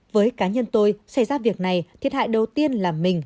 với cá nhân tôi xảy ra việc này thiệt hại đầu tiên là mình